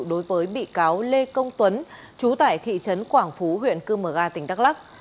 đối với bị cáo lê công tuấn chú tại thị trấn quảng phú huyện cư mờ ga tỉnh đắk lắc